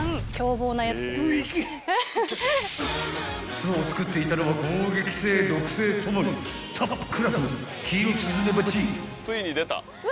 ［巣を作っていたのは攻撃性・毒性共にトップクラスのキイロスズメバチ］